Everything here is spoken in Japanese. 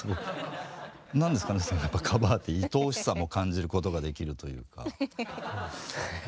なんですかねやっぱカバーっていとおしさも感じることができるというか。